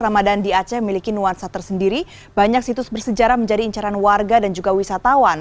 ramadan di aceh memiliki nuansa tersendiri banyak situs bersejarah menjadi incaran warga dan juga wisatawan